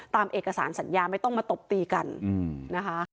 ตามเอกสารสัญญาไม่ต้องมาตบตีกันนะคะ